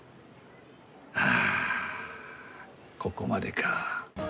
あここまでか。